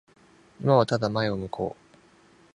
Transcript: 今はただ前を向こう。